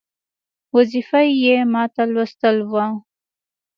وظیفه یې ماته لوستل وه.